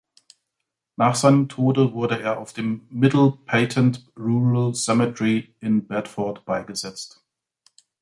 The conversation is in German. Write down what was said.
Nach seinem Tode wurde er auf dem "Middle Patent Rural Cemetery" in Bedford beigesetzt.